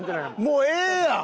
もうええやん！